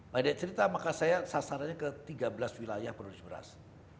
banyak cerita maka saya sasarannya ke tiga belas wilayah produksi beras